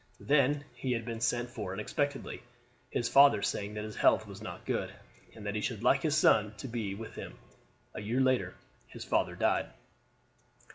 Then he had been sent for unexpectedly; his father saying that his health was not good, and that he should like his son to be with him. A year later his father died.